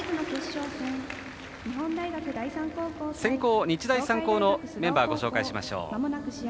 先攻、日大三高のメンバーをご紹介しましょう。